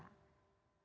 dan kembali lagi